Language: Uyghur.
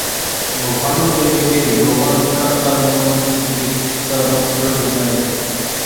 نۇرخاننىڭ ئۆيىدىكى يوغان كات ساندۇقنىڭ ئىچىدىكى كىچىك ساندۇق بىر دۇنيا ئىدى.